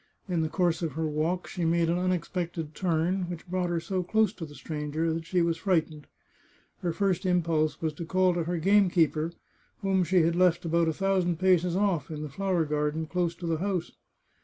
In the course of her walk she made an unexpected turn, which brought her so close to the stranger that she was frightened. Her first impulse was to call to her game keeper, whom she had left about a thousand paces off, in the flower garden, close to the house.